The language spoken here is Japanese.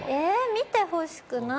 見てほしくない。